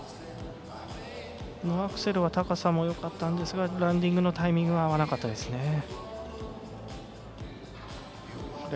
アクセルは高さもよかったんですがランディングのタイミングが合わなかったですね。